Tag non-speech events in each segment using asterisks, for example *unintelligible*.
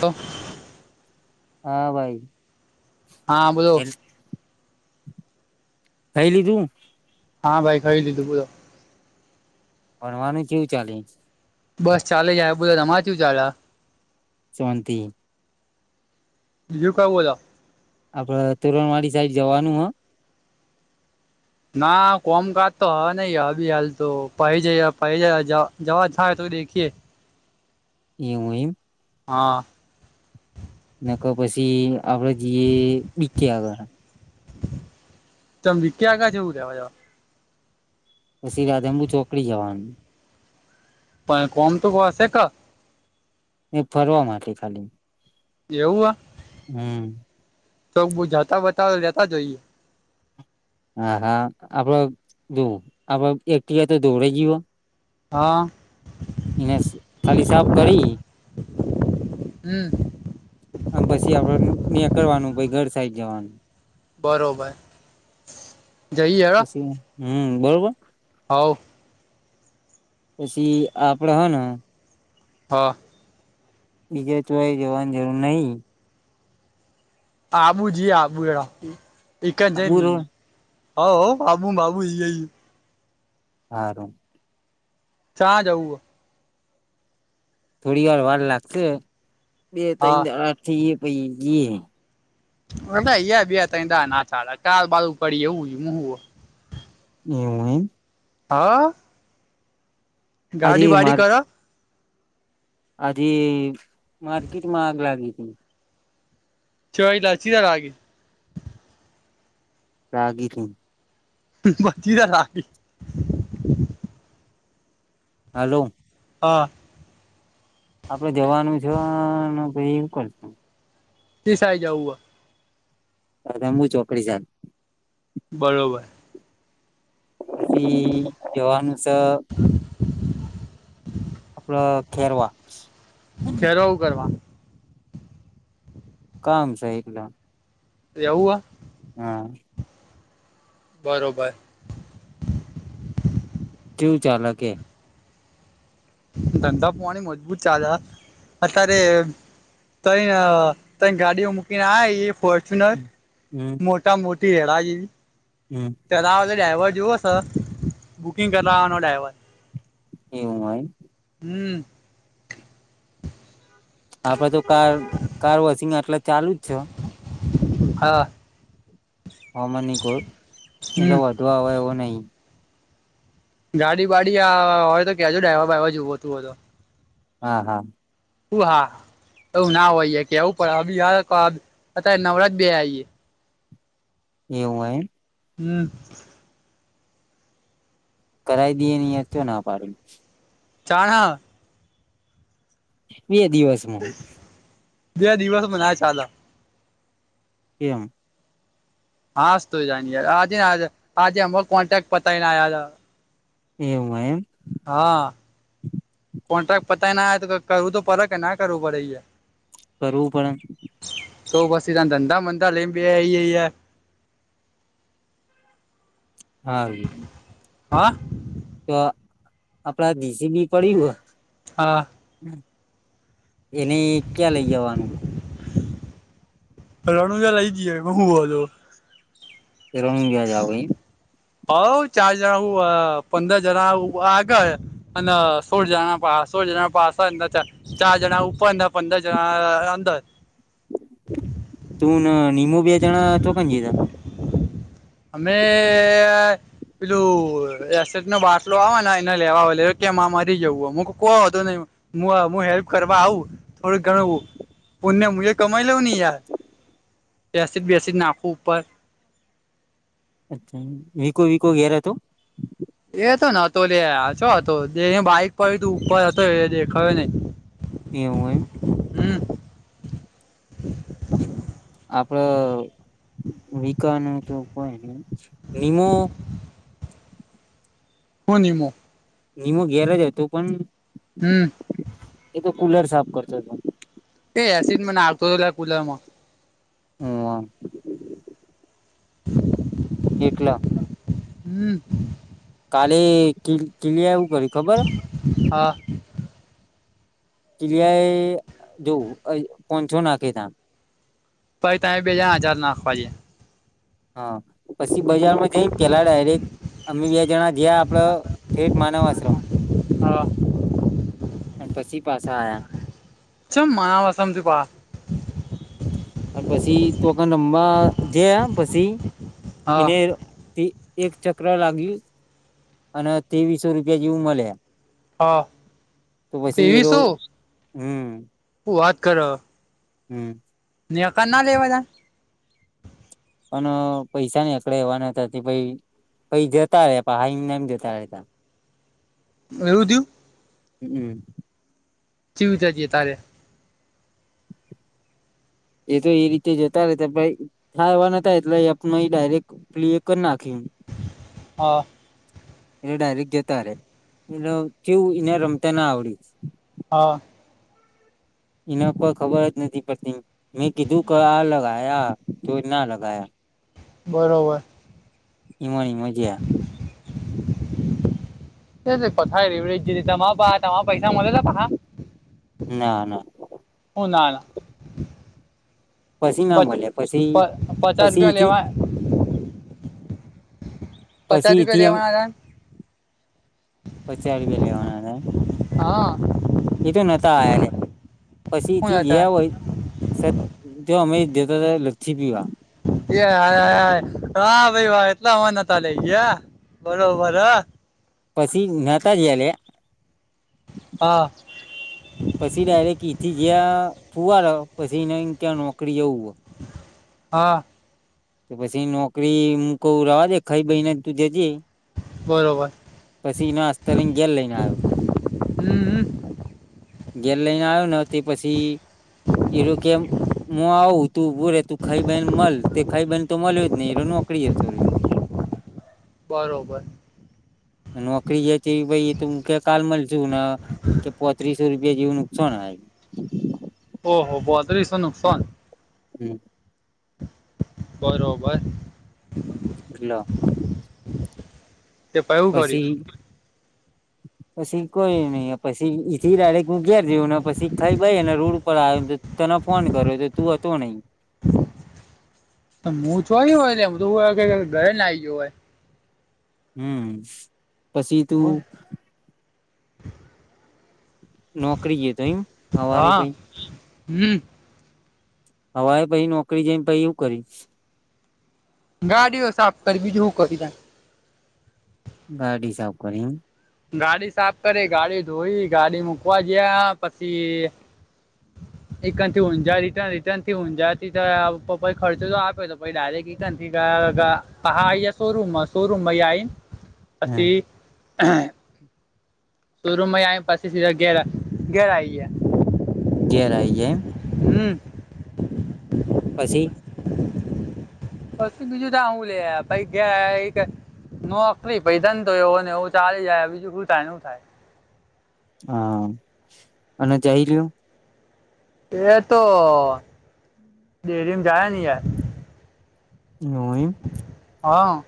તો *inaudible* હા ભાઈ. હા બોલો. *unintelligible* લીધું. હા ભાઈ ખઈ લીધું બલો ભણવાનું કેવું ચાલે? બસ ચાલે યાર *unintelligible* તમાર કેવુ ચાલે? શોન્તી બીજું કંઈ બોલા. આપડ તોુરણવાડી સાઈબ જવાનું હ. ના કોમકા તો હ નઈ અભી હાલ તો પઇ જઈએ પઇ જવા થાઈ તો દેખીએ. એઉ ઈમ. હા. નક પછી આપણા જીએ બી આગળ. ચંમ બી કે ક્યા ક્યા જવુ રેવા જ. પસી રાધનપુર ચોકડી જવાનુ. પણ કોમ તો હશે ક. નઈ ફરવા માટે ખાલી. એવુ હ. હમ. તો બ જતા બતાવે લેતા જોઈએ. હ હા આપડ જો આપડ એકટીવા તો ધોવાય જીયુ હ. હા એને ખાલી સાફ કરી. હમ. *inaudible* પઈ ઘર સાઈડ જવાનુ. બરોબર જઈએ હ. પછી હમ બરોબર. આવો. પસી આપડે હ ન. હા. બીએ ચોય જવાન જરૂર નહી. આબુ જીએ આબુ હેડો. એઈ ક જ બરોબર *unintelligible* હવ હો આબુ બાબુ જી આઇ એ. હારુ. ચા જાઉહ? થોડીવાર વાર લાગશે. બે હ હા તઈણ દાઢા થી અ પ *unintelligible* *unintelligible* અ બે ત ના થાડા ક બાળું પડી એવું હ *unintelligible* મ *unintelligible* ઈવું ઈમ હા. આજે ગાડી વાડી માર કર. આજે માર્કેટમાં આગ લાગી તી. છરી લલાચી ત રાગ. *unintelligible* પ્રાગીઘી બછી રાી *unintelligible* *unintelligible* હાલો. આ આપડે જવાનું છ ન પઈ શું કરશું? તસ આવી જાઉ મુ ચોકડી જાત બળોબર. સી જોવાનુ સ આપડ ખેરવા ખેરોઉ કરવા. કામ સ એટલે એવુ હ. હા. બરોબર. કેવુ ચાાલે કે? ધંધા પોણી મજબૂત ચાલહ, અતારે તઈ અ તઈ ગાડીઓ મૂકીને આય ઈ પ ટનર હમ મોટા મો તિ રાઈ હમ ચલાવજે ડ્રાઈવર જુવો સ, બુકિંગ કરવાવાનો ડ્રાઈવર. એવું હોય? હમ. આપડે તો કાર કાર વોશિંગ આટલા ચાલુ જ છે. હા. હમા ની કો એટલે હમ વોંધો આવે એવો નહી ગાડી વાડી અ હોય તો કેહજો ડ્રાઈવર બાઈવર જોઈતું હોય તો હા હા હું હા એવું ના હોય યાર કેહવુ પડે અબી હાલ અત્યારે નવરા જ બેહયા છીએ એવું હ ઈમ હમ કરાઈ દઈએ ને યાર ચો ના પાડી ચણા બે દિવસમાં બે દિવસ મનાય ચાલે એમ હાસ્તો જ *inaudible* ય આજે આજેમ કોન્ટેક પતાઈ આયા ના એવું એમ હા કોન્ટ્રાક્ટ પતાઈને આયા તો કરવુ તો પડે કે ના કરવું પડે ય કરવું પડે ન તો પછી ત ધંધા બંધા લઈ ને બેહ ઈયા હારૂ હા તો આપણા દીસ જી બી પડી હો હા એને ક્યાં લઈ જવાનું? રણુજા લઈ જીએ *unintelligible* રણુજા જાવ ઈમ હોવ ચાર જણા હુ અ પંદર જણા આ આગળ અને સોળ જણા પા સોળ જણા પાસળ ને ચાર જણા ઉપર ને પંદર જણા અ અંદર. તું ને નિમો બે જણા ચોકણ ગ્યા તા? અમે અ પેલું એસેડ નો બાટલો આવે ને એને લેવા આવે લો, એ કે મા મરી જવું હ મુ કોય વાંધો નહી હું, હેલ્પ કરવા આવું થોડુંક ઘણું પુણ્ય મું એ કમાઈ લઉં ને યાર એસિડ બેસિડ નાખું ઉપર અચ્છા વિકો વિકો ઘેર હતો? એ તો નતો લયા ચો હતો, આછો હતો દે બાઈક પડ્યું હતુ ઉપર હતો એ દેખાયો નહી. એવુ ઈમ? હમ્મ. આપડ વિકાનું તો કોય નહિ, નિમો કોન નિમો? નિમો ઘેર જ હતો પણ હમ્મ. એ તો કુલર સાફ કરતો હતો. એ એસિડ મને આલતો હતો લ્યા કુલર મા. હુઅ. એકલા હમ્મ. કાલે *inaudible* આવું કર્યું ખબર? હમ *inaudible* કિલિયાઈ જોવું અ પહચો નાખે ત્યાં. પાઈ ત બેજ હજાર નાખવાજ છે. હ, પછી બજારમાં જઈને પેલા ડાયરેક અમે બે જણા જયા આપડ ઠેટ માનવ આશ્રમ, હા અને પછી પાસા આયા. ચમ માવા સમજપા. અને પછી તોકા રમવા જયા પછી હા ઇને તી એક ચક્ર લાગ્યું, અને તેવીસો રૂપિયા જેવું મલે. હા, તેવીસો? હમ્મ. હું વાત કરો! હમ્મ. *unintelligible* ના લેવા તા? પણ પૈસા ન એકળે એવા નતા તે પઈ પઈ જતા રહ્યા પને એમ જતા રહેતા. એવું થયું? હમ્મ. ચીવ ચાજીએ તારે એ તો એ રીતે જતા રહેતા પઈ થા એવા નતા એટલે આપ ડાયરેક્ટ પ્લે કરી નાખ હા. એટલે ડાયરેક્ટ જતા રે, એટલે કેવું એને રમતા ના આવડ્યું. હા. એના પર ખબર જ નથી પડતી, મેં કીધું ક આ લગાય આ, તો ના લગાયા. બરોબર. એમા ને એમાં જયા. એ કથ રવડ તમારે પા તમા પૈસા મળે તો પાહા? ના ના હું ના ના. *inaudible* પછી પ ના મળ્યા પ પછી પચાસ રૂપિયા પછીથી લેવા પચાસ રૂપિયા દેવાના હતા. પચાર રૂપીયા લેવાના હતા હા હતા એમ એતો નથી. ત્યાં હેલા. હું પછીથી હતા ગયા હોય, જો અમે દ ત્યારે લસ્સી પીવા. હા ભાઈ વા એટલા હમાં નતા લઈ ગયા બરોબર હ. પછી ના્હતા જલે. હા. ફુવાર પછીને ક્યાં નોકરી જવું હોય. હ *inaudible* હા. તો પછી નોકરી મ કું રવાજે ખાઈ બહીને તું જજે. બરોબર. પછી એના અસ્તરેને ગેલ લઈને આવ્યો. હમ. ઘેર લઈને આવ્યો ને તે પછી એરો કે હું આવું તું બોરે તું ખાઈ બેન મળ તે ખાઈ બેન તો મળ્યું જ નહી એ નોકરી હોરી. બરોબર. નોકરી જે ભાઈ તું કે કાલ મળશે કે પોત્રીસ. રૂપિયા જેવું નુકસાન હ. હ હબ આજશો નુકસન *unintelligible* હમ. બરોબર. કેટલા. *inaudible* તે તયે હૂ કર્યું. *inaudible* પછી કોઈ નહી પછી ઈથી ડાયરેક હું ઘેર જયો ને પસી ખાઈ ભાઈ ને રોડ ઉપર આયોને તો તને ફોન કર્યો તો તું હતો નહી જોય હોય ને એમું ઘરે ના આવી ગય હોય. હમ. પછી તું. નોકરી ગ તો એમ સવારે હા ભાઈ. હમ હવાએ પહી નોકરી જેઈન પહી હું કરી ગાડીઓ સાફ કરી બીજું હું કરી જા ગાડી સાફ કરી એમ ગાડી સાફ કરી, ગાડી ધોઈ, ગાડી મુકવા જયા પસી એકા થી ઊંજા રિટન રિટર્ન થી ઊંજાથી *unintelligible* ખર્ચો તો આપ્યો તો પહી ડાયરેક્ટ *unintelligible* આ શોરૂમમાં શોરૂમ માં ઈ આઈન એમ હ અસી શો રુમમાં ઈ આયા પસી સીધા ઘેર આ ઘેર આઈ ગયા. ઘેર આઈ ગયા એમ હમ્મ. પસી પછી બીજું તા હું લે ભઇ ગયા એક નોકરી પઇ ધંધો અને એવું ચાલ્યા બીજું હું થાય ન હું થાય. હા અને જય જ્યુ એ તો ડેરીમાં જાય ને યાર. નોઇ હ.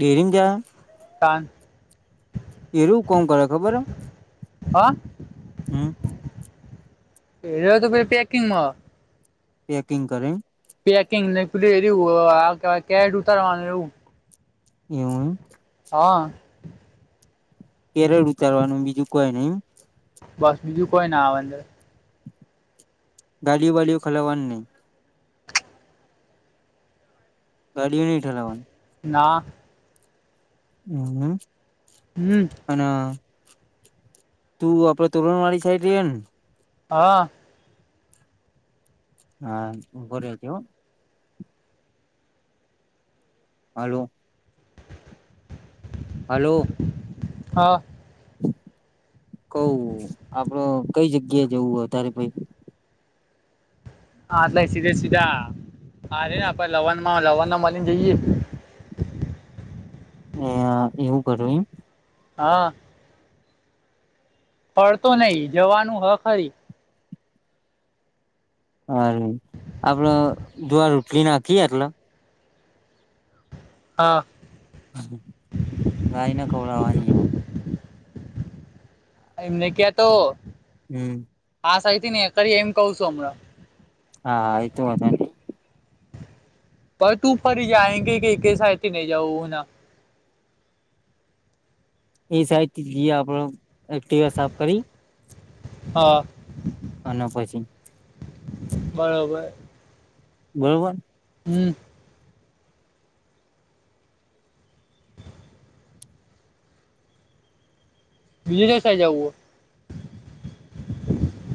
ડેરી મા જાય. પાં એરું કોણ કરે ખબર હ. હા. હમ્મ એલો તો ભઇ પેકિંગમાં પેકિંગ કરે પેકિંગ ને પ્રેરુ અ આ કેરટ ઉતારવાનું એવું હમ્મ હા કેરેટ ઉતારવાનું બીજું કોઈ નહી બસ બીજું કોઈ ના આવે અનદર ગાડીઓ બાડી ઓ ખલાવાનું નહીં. ગાડીઓ ની ઠલાવાનુ ની ના હમ્મ હમ હનઅ તું આપડે તોરણવાળી સાઈડ રહીએ ને હા. હા ઉભો રેજે હો હલો હાલો હા. કવ આપડો કઈ જગ્યા જવું તારે ભય હા એટલે સીધે સીધા, હરે ને આપે લવણમાં લવણમાં મળીને જઈએ. નેઆ એવું કરું એમ. હા. ફડતો નહી જવાનું હ ખરી અરે આપડો જુવાર રોટલી નાખીએ એટલે હા. ગાયને ખવડાવવાની હો એમને ક્યા તો હમ્મ આ સાઈડ થી કરી એમ કહ છું હમણાં. હા એ તો વાત *unintelligible* પર તું ફરી જાયગે કે કે એ સાયડ થી નહી જાઉ ના એ સાઈડ થી જએ આપડો. એક્ટીવા સાફ કરી? હા. અને પછી બરાબર. બરોબર. હમ્મ બીજે દસાઈ જવું